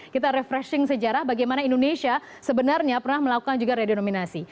kita refreshing sejarah bagaimana indonesia sebenarnya pernah melakukan juga redenominasi